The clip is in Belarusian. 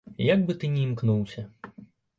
Як бы ты ні імкнуўся.